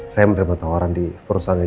saya menerima tawaran di perusahaan